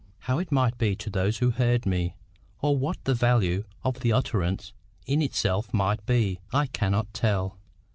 How it might be to those who heard me, or what the value of the utterance in itself might be, I cannot tell.